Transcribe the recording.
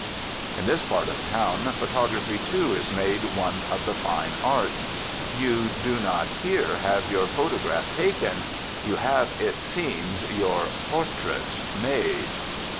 In this part of town photography, too, is made one of the fine arts. You do not here have your photograph taken; you have, it seems, your "portrait" made.